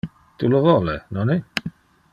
Tu lo vole, nonne?